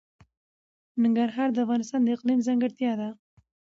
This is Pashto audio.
ننګرهار د افغانستان د اقلیم ځانګړتیا ده.